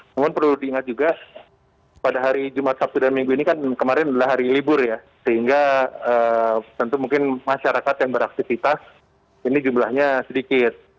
namun perlu diingat juga pada hari jumat sabtu dan minggu ini kan kemarin adalah hari libur ya sehingga tentu mungkin masyarakat yang beraktivitas ini jumlahnya sedikit